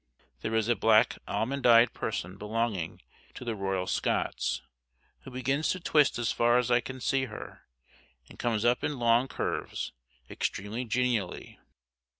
There is a black almond eyed person belonging to the Royal Scots, who begins to twist as far as I can see her, and comes up in long curves, extremely genially.